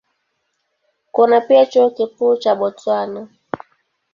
Kuna pia Chuo Kikuu cha Botswana.